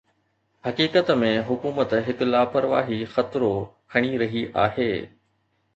حقيقت ۾، حڪومت هڪ لاپرواهي خطرو کڻي رهي آهي